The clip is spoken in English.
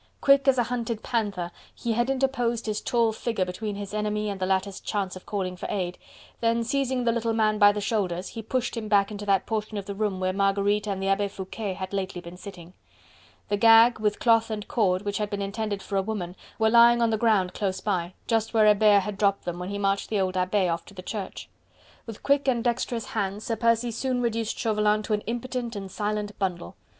Quick as a hunted panther, he had interposed his tall figure between his enemy and the latter's chance of calling for aid, then, seizing the little man by the shoulders, he pushed him back into that portion of the room where Marguerite and the Abbe Foucquet had been lately sitting. The gag, with cloth and cord, which had been intended for a woman were lying on the ground close by, just where Hebert had dropped them, when he marched the old Abbe off to the Church. With quick and dexterous hands, Sir Percy soon reduced Chauvelin to an impotent and silent bundle.